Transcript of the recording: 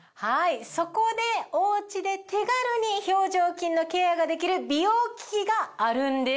そこでお家で手軽に表情筋のケアができる美容機器があるんです。